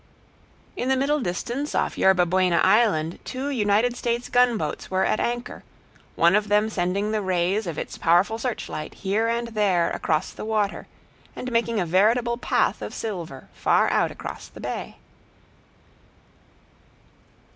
In the middle distance off Yerba Buena Island two United States gunboats were at anchor, one of them sending the rays of its powerful searchlight here and there across the water, and making a veritable path of silver far out across the bay.